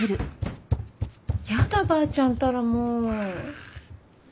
やだばあちゃんったらもう。